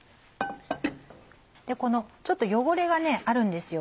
このちょっと汚れがあるんですよ。